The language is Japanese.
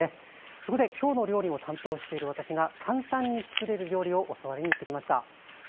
そこできょうの料理を担当している私が簡単に作れる料理を教わりに行ってきました。